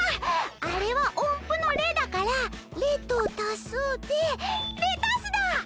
あれはおんぷの「レ」だから「レ」と「たす」でレタスだ！